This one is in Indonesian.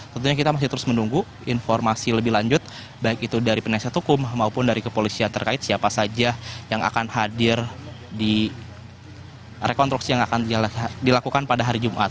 tentunya kita masih terus menunggu informasi lebih lanjut baik itu dari penasihat hukum maupun dari kepolisian terkait siapa saja yang akan hadir di rekonstruksi yang akan dilakukan pada hari jumat